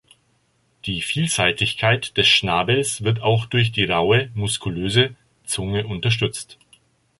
Die Vielseitigkeit des Schnabels wird auch durch die raue muskulöse Zunge unterstützt.